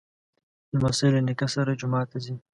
لمسی له نیکه سره جومات ته ځي.